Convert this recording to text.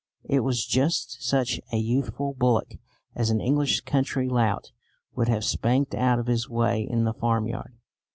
It was just such a youthful bullock as an English country lout would have spanked out of his way in the farmyard.